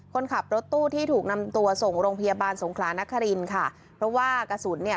คนขับรถตู้ที่ถูกนำตัวส่งโรงพยาบาลสงขลานครินค่ะเพราะว่ากระสุนเนี่ย